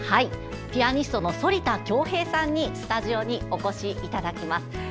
ピアニストの反田恭平さんにスタジオにお越しいただきます。